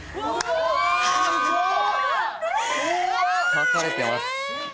描かれてます